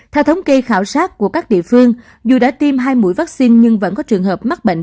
theo thống kê khảo sát của các địa phương dù đã tiêm hai mũi vaccine nhưng vẫn có trường hợp mắc bệnh